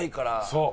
そう。